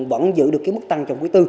vẫn giữ được cái mức tăng trong quý bốn